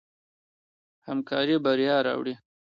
همکاري بریا راوړي.